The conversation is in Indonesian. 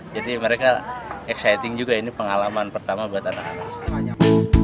jadi mereka exciting juga ini pengalaman pertama buat anak anak